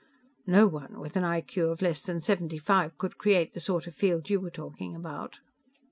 "No one with an IQ of less than seventy five could create the sort of field you were talking about."